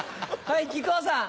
はい木久扇さん。